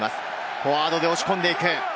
フォワードで押し込んでいく。